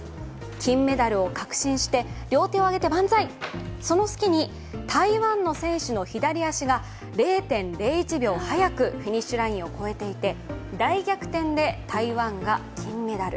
金メダルを確信してその隙に、台湾の選手の左足が０．０１秒、早くフィニッシュラインを越えていて大逆転で台湾が金メダル。